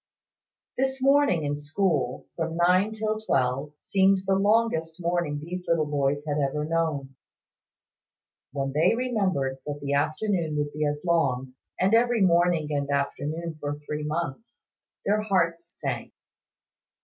This morning in school, from nine till twelve, seemed the longest morning these little boys had ever known. When they remembered that the afternoon would be as long, and every morning and afternoon for three months, their hearts sank.